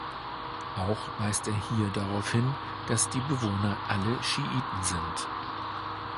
Auch weist er hier darauf hin, dass die Bewohner alle Schiiten seien.